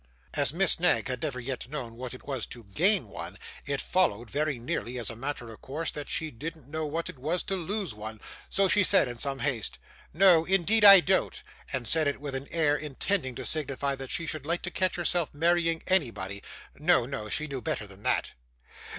As Miss Knag had never yet known what it was to gain one, it followed, very nearly as a matter of course, that she didn't know what it was to lose one; so she said, in some haste, 'No, indeed I don't,' and said it with an air intending to signify that she should like to catch herself marrying anybody no, no, she knew better than that.